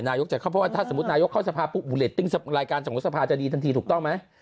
นายุคจะเข้าสมมุติว่าถ้านายุคเข้าสภาพปึ๊กบุเรดตึงรายการสภาพจะดีทันทีถูกต้องมั้ย